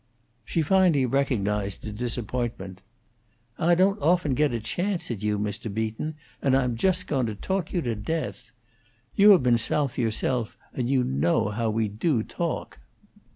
She finally recognized his disappointment: "Ah don't often get a chance at you, Mr. Beaton, and Ah'm just goin' to toak yo' to death. Yo' have been Soath yo'self, and yo' know ho' we do toak."